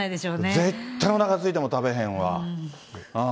絶対おなかすいても食べへんわ。